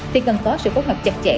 thì cần có sự phối hợp chặt chẽ